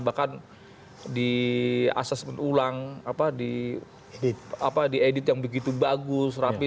bahkan di assessment ulang diedit yang begitu bagus rapi